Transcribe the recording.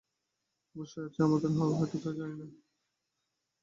অবশ্যই আছে, তবে আমরা হয়তো কেহ জানি না।